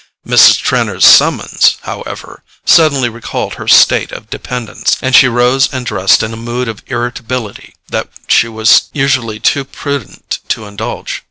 Mrs. Trenor's summons, however, suddenly recalled her state of dependence, and she rose and dressed in a mood of irritability that she was usually too prudent to indulge.